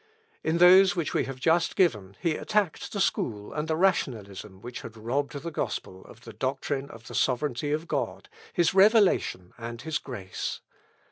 In those which we have just given he attacked the school and the rationalism which had robbed the gospel of the doctrine of the sovereignty of God, his revelation and his grace.